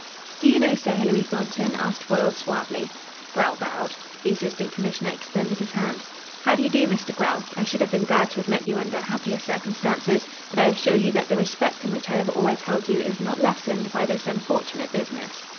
"Do you know Sir Hilary Thornton?" asked Foyle suavely. Grell bowed. The Assistant Commissioner extended his hand. "How do you do, Mr. Grell? I should have been glad to have met you under happier circumstances, but I assure you that the respect in which I have always held you is not lessened by this unfortunate business."